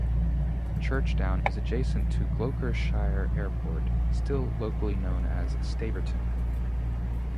Churchdown is adjacent to Gloucestershire Airport, still known locally as "Staverton".